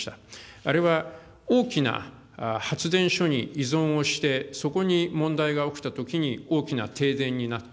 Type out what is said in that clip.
あれは大きな発電所に依存をして、そこに問題が起きたときに、大きな停電になった。